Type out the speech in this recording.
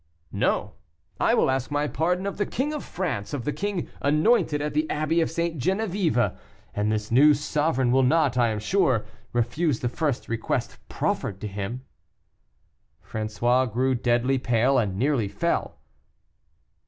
"No, I will ask my pardon of the King of France of the king anointed at the Abbey of St. Geneviève; and this new sovereign will not, I am sure, refuse the first request proffered to him." François grew deadly pale, and nearly fell.